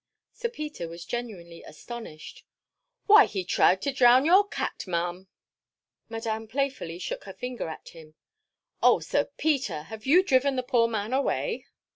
Sir Peter was genuinely astonished. "Why, he tried to drown your cat, Ma'am!" Madame playfully shook her finger at him, "Oh, Sir Peter! have you driven the poor man away?"